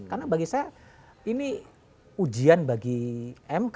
karena bagi saya ini ujian bagi mk